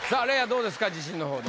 どうですか自信のほど。